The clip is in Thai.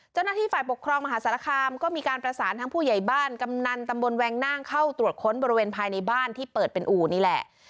เจ้าหน้าที่ฝ่ายปกครองมหาสารคามก็มีการประสานทั้งผู้ใหญ่บ้านกำนันตำบลแวงนั่งเข้าตรวจค้นบริเวณภายในบ้านที่เปิดเป็นอู่นี่แหละ